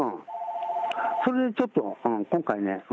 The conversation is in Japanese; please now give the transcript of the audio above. それでちょっと、今回ね。